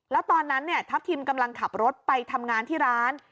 แล้วตอนนั้นทัพทิมกำลังขับรถไปทำงานที่ร้าน